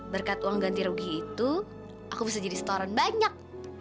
berkat uang ganti rugi itu aku bisa jadi setoran banyak